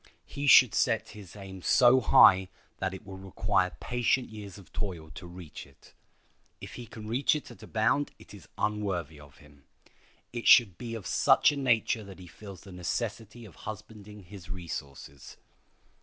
He should set his aim so high that it will require patient years of toil to reach it. If he can reach it at a bound it is unworthy of him. It should be of such a nature that he feels the necessity of husbanding his resources.